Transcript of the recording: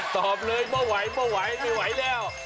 ตอบเลยไม่ไหวไม่ไหวไม่ไหวแล้ว